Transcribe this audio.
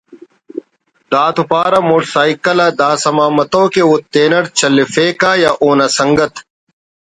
دا تو پارہ motor cycle آ داسما متو کہ او تینٹ چلیفیکہ یا اونا سنگت